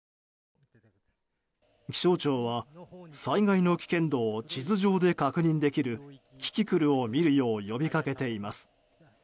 気象庁は、災害の危険度を地図上で確認できるキキクルを見るよう呼びかけています。